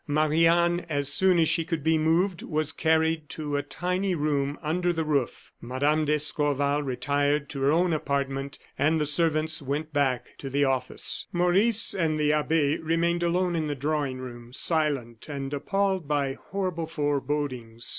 Marie Anne, as soon as she could be moved, was carried to a tiny room under the roof. Mme. d'Escorval retired to her own apartment, and the servants went back to the office. Maurice and the abbe remained alone in the drawing room, silent and appalled by horrible forebodings.